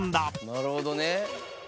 なるほどね。